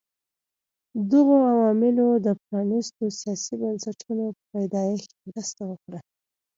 دغو عواملو د پرانیستو سیاسي بنسټونو په پیدایښت کې مرسته وکړه.